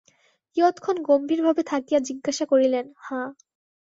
কিয়ৎক্ষণ গম্ভীরভাবে থাকিয়া জিজ্ঞাসা করিলেন, হাঁ।